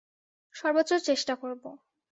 সর্বোচ্চ চেষ্টা করব।